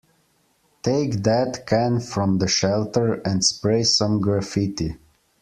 Take that can from the shelter and spray some graffiti.